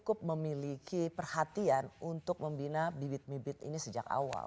cukup memiliki perhatian untuk membina bibit bibit ini sejak awal